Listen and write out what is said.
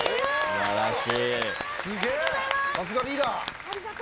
すげえさすがリーダー。